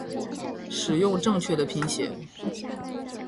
使用正确的拼写